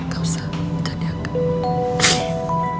gak usah jangan diangkat